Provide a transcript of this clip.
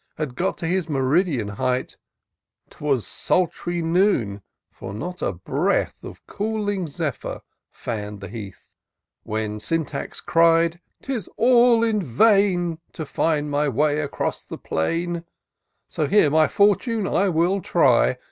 Had got to his meridian height ; Twas sultry noon — ^for not a breath Of cooling zephyr fann'd the heath ; When Syntax cried —" 'Tis all in vain To find my way across the plain ; So here my fortune I will try.